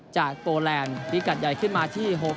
จากโตแลนด์พริกัดใหญ่ขึ้นมาที่